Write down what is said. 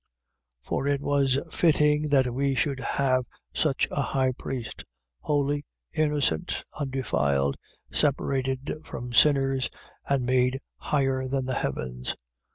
For it was fitting that we should have such a high priest, holy, innocent, undefiled, separated from sinners, and made higher than the heavens: 7:27.